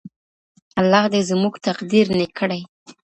الله دې زموږ تقدیر نیک کړي.